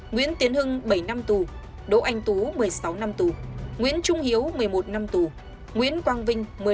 nguyễn tiến hưng bảy năm tù đỗ anh tú một mươi sáu năm tù nguyễn trung hiếu một mươi một năm tù nguyễn quang vinh một mươi năm năm tù